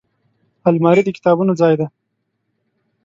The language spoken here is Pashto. الماري د کتابونو ځای دی